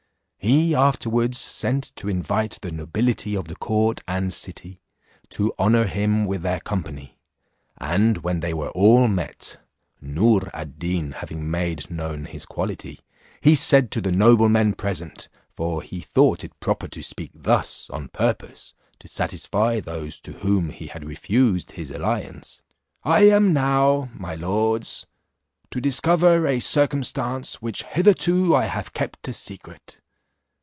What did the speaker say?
He afterwards sent to invite the nobility of the court and city, to honour him with their company; and when they were all met (Noor ad Deen having made known his quality), he said to the noblemen present, for he thought it proper to speak thus on purpose to satisfy those to whom he had refused his alliance, "I am now, my lords, to discover a circumstance which hitherto I have keep a secret.